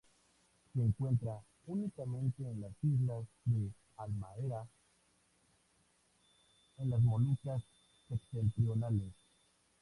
Se encuentra únicamente en la isla de Halmahera, en las Molucas septentrionales.